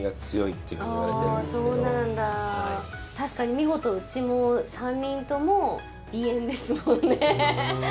確かに見事、うちも３人とも鼻炎ですもんね。